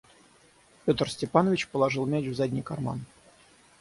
Петр Степанович положил мяч в задний карман.